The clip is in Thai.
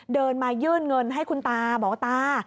เดินมายื่นเงินให้คุณตาบอกว่าตา